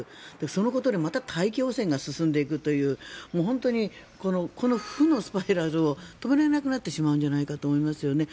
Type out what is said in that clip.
そのことでまた大気汚染が進んでいくというこの負のスパイラルを止められなくなってしまうんじゃないかと思いますよね。